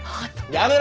やめろ！